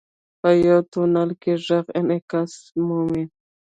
• په یو تونل کې ږغ انعکاس مومي.